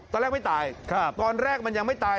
ตอนแรกไม่ตายตอนแรกมันยังไม่ตาย